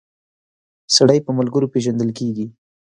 سړی په ملګرو پيژندل کیږی